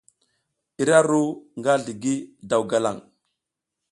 Ira ru nga zligi daw galaŋ.